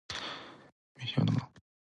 未使用のもの